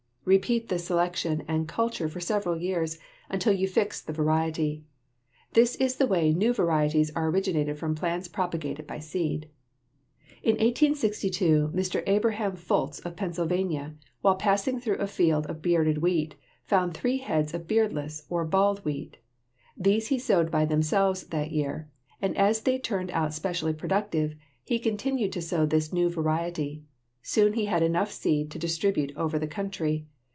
Repeat this selection and culture for several years until you fix the variety. This is the way new varieties are originated from plants propagated by seed. In 1862 Mr. Abraham Fultz of Pennsylvania, while passing through a field of bearded wheat, found three heads of beardless, or bald, wheat. These he sowed by themselves that year, and as they turned out specially productive he continued to sow this new variety. Soon he had enough seed to distribute over the country.